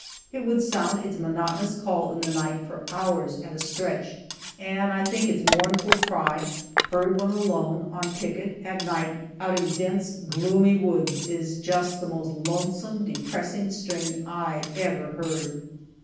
It would sound its monotonous call in the night for hours at a stretch, and I think its mournful cry, heard when alone, on picket at night out in dense, gloomy woods, is just the most lonesome, depressing strain I ever heard.